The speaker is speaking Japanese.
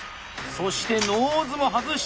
そしてノーズも外した。